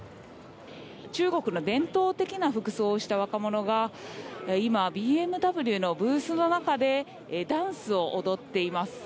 中国の伝統的な服装をした若者が今、ＢＭＷのブースの中でダンスを踊っています。